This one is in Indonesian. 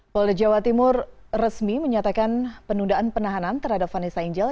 polda jawa timur resmi menyatakan penundaan penahanan terhadap vanessa angel